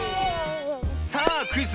さあクイズ